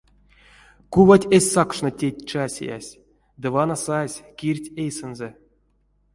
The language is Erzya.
Кувать эзь сакшно теть часиясь ды вана сась, кирдть эйсэнзэ.